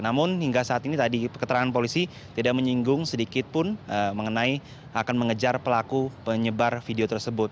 namun hingga saat ini tadi keterangan polisi tidak menyinggung sedikit pun mengenai akan mengejar pelaku penyebar video tersebut